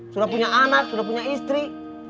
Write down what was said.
sudah punya anak sudah punya istri